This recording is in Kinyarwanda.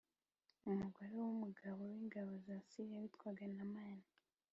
umugore w umugaba w ingabo za Siriya witwaga Namani